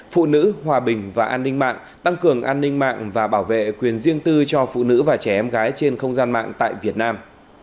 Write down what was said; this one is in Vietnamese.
phụ nữ hòa bình và an ninh mạng tăng cường an ninh mạng và bảo vệ quyền riêng tư cho phụ nữ và trẻ em gái trên không gian mạng tại việt nam